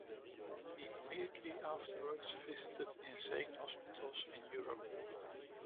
He immediately afterward visited insane hospitals in Europe.